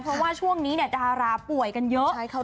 เพราะว่าช่วงนี้ดาราป่วยกันเยอะ